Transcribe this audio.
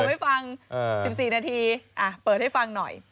ให้ฟัง๑๔นาทีเปิดให้ฟังหน่อย